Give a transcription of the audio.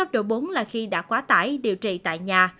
đã khóa tải điều trị tại nhà